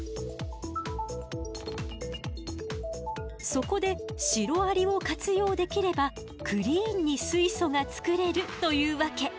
そこでシロアリを活用できればクリーンに水素が作れるというわけ。